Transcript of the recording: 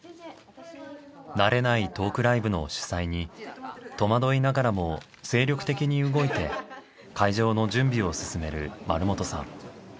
慣れないトークライブの主催に戸惑いながらも精力的に動いて会場の準備を進める丸本さん。